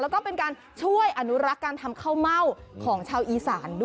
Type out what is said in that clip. แล้วก็เป็นอัฆาตการทำข้าวเม่าของชาวอีสาน